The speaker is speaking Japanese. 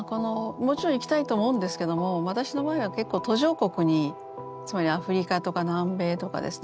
もちろん行きたいと思うんですけども私の場合は結構途上国につまりアフリカとか南米とかですね